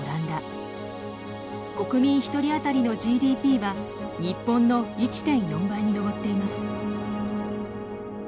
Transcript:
国民一人当たりのＧＤＰは日本の１．４倍に上っています。